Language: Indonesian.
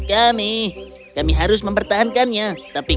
kami sudah berjalan ke tempat yang tidak terlalu jauh